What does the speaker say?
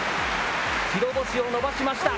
白星を伸ばしました。